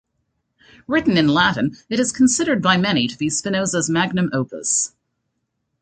Written in Latin, it is considered by many to be Spinoza's "magnum opus".